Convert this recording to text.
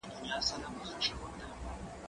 دا سندري له هغه ښايسته دي؟!